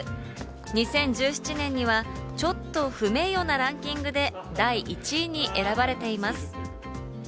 ２０１７年にはちょっと不名誉なランキングで第１位に選ばれています。